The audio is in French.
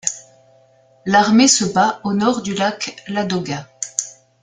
La armée se bat au nord du lac Ladoga.